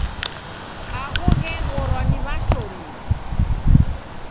Agho gheghorwa ni w'ashomi.